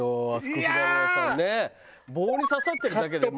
棒に刺さってるだけで。